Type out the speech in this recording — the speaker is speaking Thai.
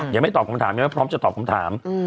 ยังไม่ตอบคำถามยังไม่พร้อมจะตอบคำถาม